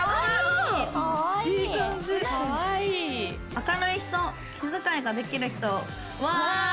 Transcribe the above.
「明るい人気遣いができる人」うわー！